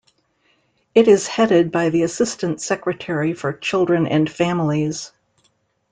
It is headed by the Assistant Secretary for Children and Families.